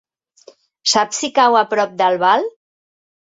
Saps si cau a prop d'Albal?